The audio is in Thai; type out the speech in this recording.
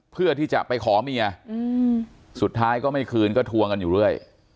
เพื่อที่จะไปขอเมียสุดท้ายก็ไม่คืนก็ทวงกันอยู่เรื่อย